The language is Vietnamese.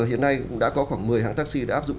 hiện nay cũng đã có khoảng một mươi hãng taxi đã áp dụng